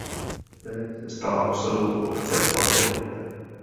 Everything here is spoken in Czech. Poté se stala osadou obce Albrechtice.